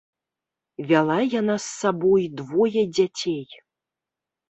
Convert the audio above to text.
Вяла яна з сабой двое дзяцей.